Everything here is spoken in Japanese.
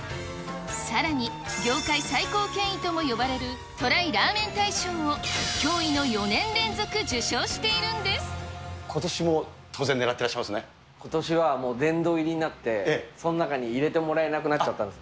さらに、業界最高権威とも呼ばれるＴＲＹラーメン大賞を驚異の４年連続受ことしも当然狙ってらっしゃことしはもう殿堂入りになって、その中に入れてもらえなくなっちゃったんです。